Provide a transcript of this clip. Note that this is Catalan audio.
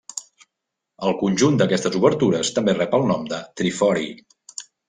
El conjunt d'aquestes obertures també rep el nom de trifori.